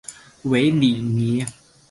韦里尼。